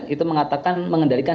itu mengatakan mengendalikan